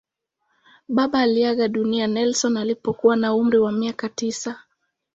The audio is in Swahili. Baba aliaga dunia Nelson alipokuwa na umri wa miaka tisa.